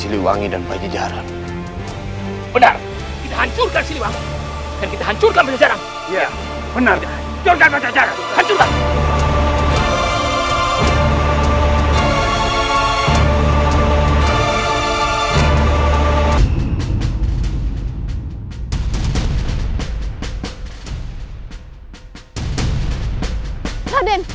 raden kau mau kemana